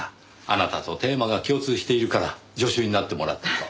あなたとテーマが共通しているから助手になってもらったと。